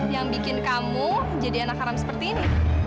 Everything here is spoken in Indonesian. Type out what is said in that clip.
yang bikin kamu jadi anak haram seperti ini